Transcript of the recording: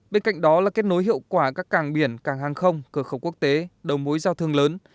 bên cạnh đó là kết nối hiệu quả các càng biển càng hàng không cửa khẩu quốc tế đầu mối giao thương lớn